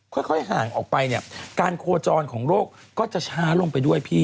ค่อยห่างออกไปเนี่ยการโคจรของโรคก็จะช้าลงไปด้วยพี่